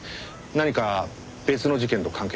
何か別の事件と関係が？